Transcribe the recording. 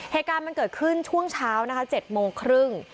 เหตุการณ์มันเกิดขึ้นช่วงเช้า๗๓๐น